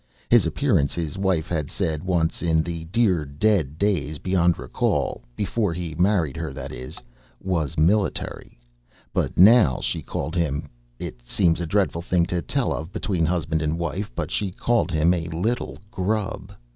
His appearance, his wife had said once in the dear, dead days beyond recall before he married her, that is was military. But now she called him it seems a dreadful thing to tell of between husband and wife, but she called him "a little grub."